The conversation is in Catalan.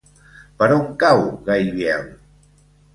Per on cau Gaibiel?